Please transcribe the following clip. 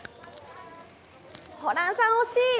ホランさん惜しい。